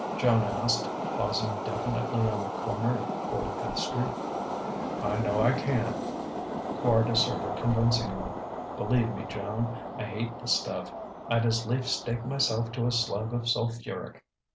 Joan asked, pausing definitely on the corner at Forty fifth Street. "I know I can," Quard asserted convincingly. "Believe me, Joan, I hate the stuff! I'd as lief stake myself to a slug of sulphuric.